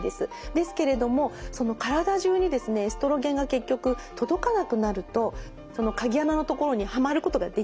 ですけれどもその体中にですねエストロゲンが結局届かなくなると鍵穴のところにはまることができなくなってしまう。